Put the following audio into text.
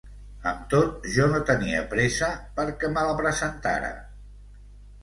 Amb tot, jo no tenia pressa perquè me la presentara.